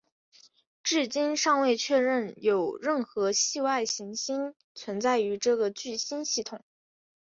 至今尚未确认有任何系外行星存在于这个聚星系统。